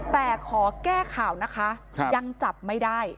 แต่ขอแก้ข่าวนะคะยังจับไม่ได้